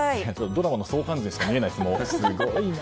ドラマの相関図にしか見えないです。